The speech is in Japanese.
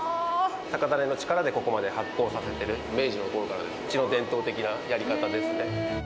酒種の力でここまで発酵させてる、明治のころから、うちの伝統的なやり方ですね。